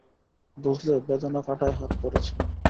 বুঝলে বেঁধানো কাঁটায় হাত পড়েছে।